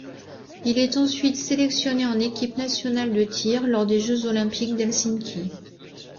Il est ensuite sélectionné en équipe nationale de tir lors des Jeux olympiques d'Helsinki.